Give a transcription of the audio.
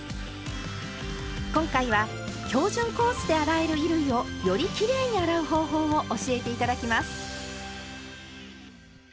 今回は「標準コースで洗える衣類」をよりきれいに洗う方法を教えて頂きます。